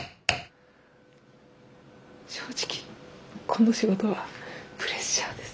正直この仕事はプレッシャーです。